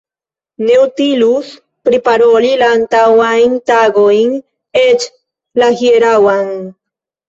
Ne utilus priparoli la antaŭajn tagojn, eĉ la hieraŭan.